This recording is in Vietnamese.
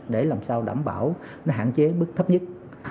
để làm sao đảm bảo hạn chế đến mức thấp nhất